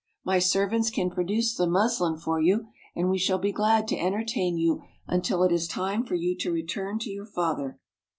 " My servants can produce the muslin for you, and we shall be glad to entertain you until it is time for you to return to your father."